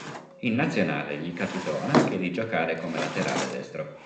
In Nazionale gli capitò anche di giocare come laterale destro.